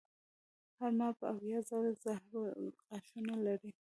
هر مار به اویا زره د زهرو غاښونه لري.